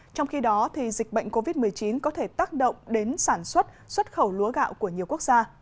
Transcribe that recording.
trong khi đó dịch bệnh covid một mươi chín có thể tác động đến sản xuất xuất khẩu lúa gạo của nhiều quốc gia